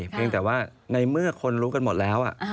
เพียงแต่ว่าในเมื่อคนรู้กันหมดแล้ว